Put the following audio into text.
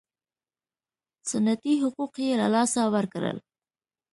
سنتي حقوق یې له لاسه ورکړل.